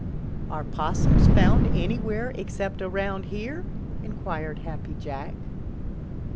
"Are Possums found anywhere except around here?" inquired Happy Jack.